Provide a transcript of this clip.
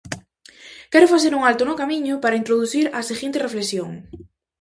Quero facer un alto no camiño para introducir a seguinte reflexión.